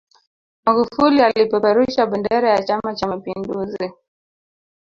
magufuli alipeperusha bendera ya chama cha mapinduzi